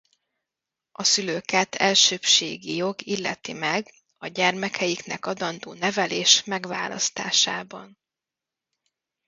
A szülőket elsőbbségi jog illeti meg a gyermekeiknek adandó nevelés megválasztásában.